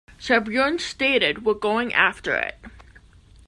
Sauerbrun stated, We're going after it.